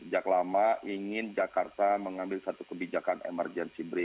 sejak lama ingin jakarta mengambil satu kebijakan emergency break